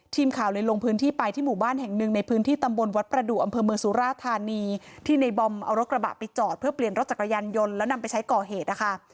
ทีมข่าวเลยลงพื้นที่ไปที่หมู่บ้านแห่งหนึ่งในพื้นที่ตำบลวัดประดูกอำเภอเมืองสุราธานีที่ในบอมเอารถกระบะไปจอดเพื่อเปลี่ยนรถจักรยานยนต์แล้วนำไปใช้ก่อเหตุนะคะ